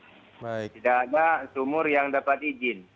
tidak ada sumur yang dapat izin